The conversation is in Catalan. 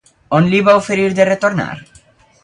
On li va oferir de retornar?